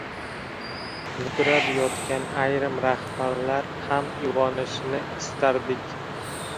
Mudrab yotgan ayrim rahbarlar ham uyg‘onishini istardik